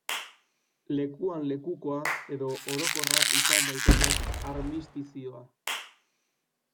Lekuan lekukoa edo orokorra izan daiteke armistizioa.